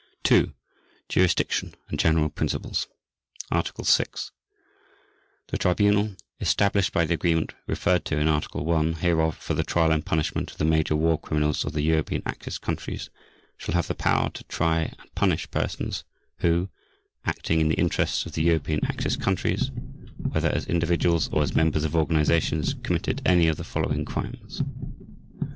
II. JURISDICTION AND GENERAL PRINCIPLES Article 6. The Tribunal established by the Agreement referred to in Article 1 hereof for the trial and punishment of the major war criminals of the European Axis countries shall have the power to try and punish persons who, acting in the interests of the European Axis countries, whether as individuals or as members of organizations, committed any of the following crimes.